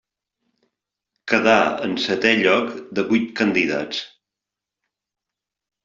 Quedà en setè lloc de vuit candidats.